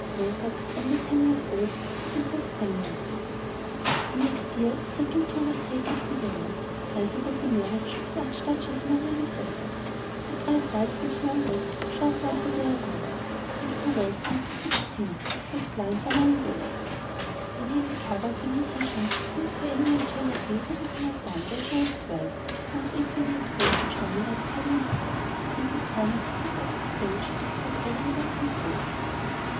Mozart, only ten years old, stood the test brilliantly. The next year a second tour was taken to Vienna, to be present at the marriage of the Archduchess Maria Josepha. The bride died from smallpox shortly after their arrival: and poor Wolfgang took the disease, and was blind for nine days. When he recovered, the musicians, moved by envy and jealousy, would not be outdone by a boy of twelve, who was equally at home in German or Italian opera, and determined to hiss off the stage whatever he might compose.